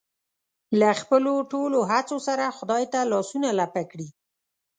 له خپلو ټولو هڅو سره خدای ته لاسونه لپه کړي.